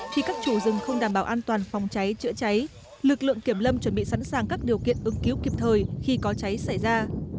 khi các chủ rừng không đảm bảo an toàn phòng cháy chữa cháy lực lượng kiểm lâm chuẩn bị sẵn sàng các điều kiện ứng cứu kịp thời khi có cháy xảy ra